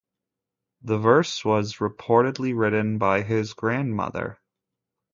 The verse was reportedly written by his grandmother.